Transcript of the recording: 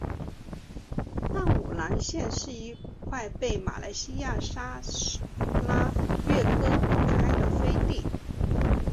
淡武廊县是一块被马来西亚砂拉越割开的飞地。